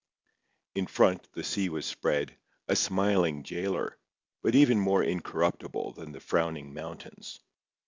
In front the sea was spread, a smiling jailer, but even more incorruptible than the frowning mountains.